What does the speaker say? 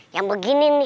yang begini nih